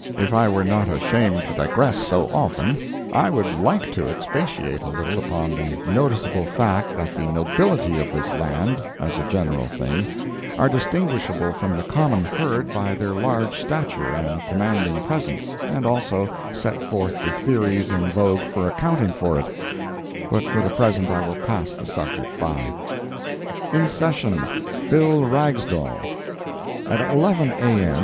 If I were not ashamed to digress so often I would like to expatiate a little upon the noticeable fact that the nobility of this land, as a general thing, are distinguishable from the common herd by their large stature and commanding presence, and also set forth the theories in vogue for accounting for it, but for the present I will pass the subject by. IN SESSION—BILL RAGSDALE At 11 A.M.